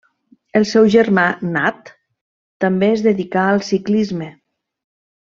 El seu germà Nat també es dedicà al ciclisme.